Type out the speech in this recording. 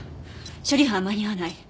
処理班は間に合わない。